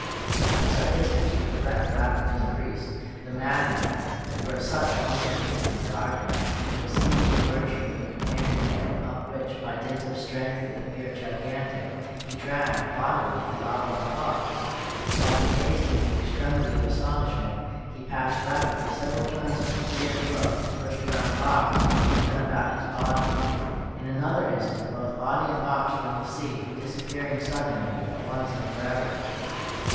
As our distance from the wreck rapidly increased, the madman (for as such only could we regard him) was seen to emerge from the companionway, up which, by dint of strength that appeared gigantic, he dragged, bodily, the oblong box. While we gazed in the extremity of astonishment, he passed rapidly several turns of a three inch rope, first around the box and then around his body. In another instant both body and box were in the sea, disappearing suddenly, at once and forever.